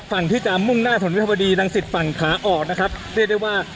ทางกลุ่มมวลชนทะลุฟ้าทางกลุ่มมวลชนทะลุฟ้า